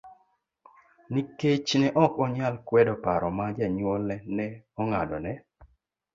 Nikech ne ok onyal kwedo paro ma jonyuolne ne ong'adone